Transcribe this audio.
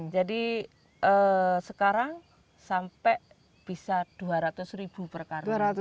jadi sekarang sampai bisa dua ratus ribu per karung